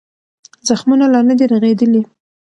زخمونه لا نه دي رغېدلي.